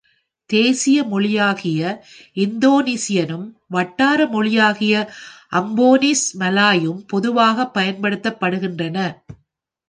தேசிய மொழியாகிய இந்தோனேசியனும் வட்டார மொழியாகிய அம்போனிஸ் மலாயும் பொதுவாகப் பயன்படுத்தபடுகின்றன.